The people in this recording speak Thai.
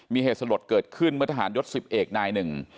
มีเหตุสลดเกิดขึ้นเมื่อทหารยศ๑๐เอกนายหนึ่ง